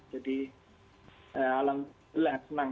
jadi alhamdulillah senang